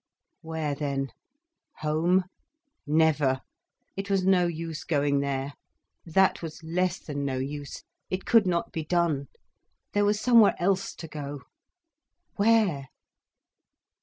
Where then?—home? Never! It was no use going there. That was less than no use. It could not be done. There was somewhere else to go. Where?